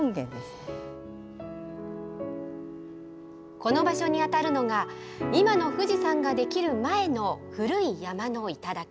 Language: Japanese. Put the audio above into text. この場所に当たるのが、今の富士山ができる前の古い山の頂。